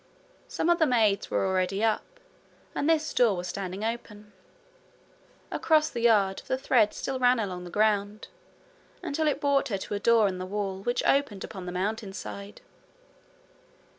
Some of the maids were already up, and this door was standing open. Across the yard the thread still ran along the ground, until it brought her to a door in the wall which opened upon the Mountainside.